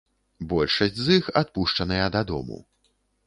Большасць з іх адпушчаныя дадому.